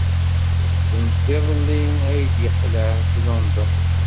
Sendiḍelli ay d-yeqleɛ seg London.